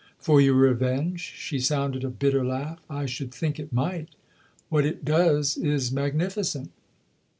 " For your revenge ?" She sounded a bitter laugh. " I should think it might ! What it does is magnificent